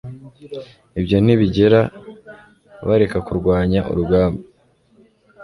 ibyo ntibigera bareka kurwanya urugamba